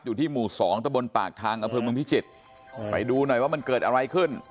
อยู่ที่หมู่สองตะบนปากทางอำเภอเมืองพิจิตรไปดูหน่อยว่ามันเกิดอะไรขึ้น